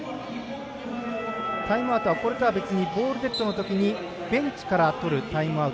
タイムアウトはこれとは別にボールデッドのときにベンチからとるタイムアウト